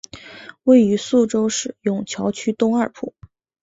位于宿州市埇桥区东二铺。